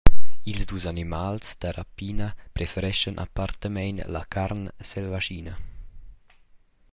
Ils dus animals da rapina prefereschan apparentamein la carn selvaschina.